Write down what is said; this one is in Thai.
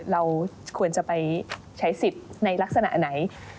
เราควรจะไปใช้สิทธิ์ในลักษณะไหน